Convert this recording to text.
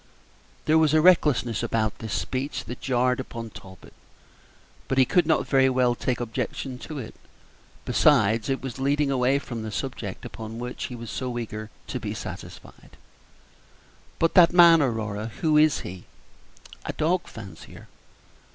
There was a recklessness about this speech that jarred upon Talbot, but he could not very well take objection to it; besides, it was leading away from the subject upon which he was so eager to be satisfied. "But that man, Aurora, who is he?" "A dog fancier."